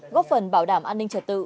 góp phần bảo đảm an ninh trật tự